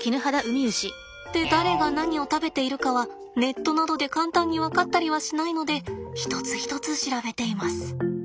で誰が何を食べているかはネットなどで簡単に分かったりはしないので一つ一つ調べています。